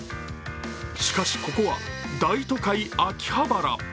しかし、ここは大都会・秋葉原。